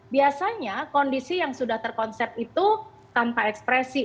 biasanya kondisi yang sudah terkonsep itu tanpa ekspresi